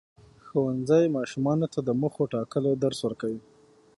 ښوونځی ماشومانو ته د موخو ټاکلو درس ورکوي.